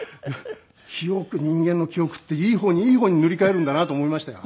記憶人間の記憶っていい方にいい方に塗り替えるんだなと思いましたよ。